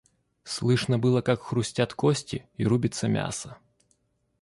Слышно было, как хрустят кости и рубится мясо.